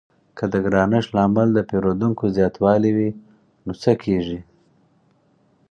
که د ګرانښت لامل د پیرودونکو زیاتوالی وي نو څه کیږي؟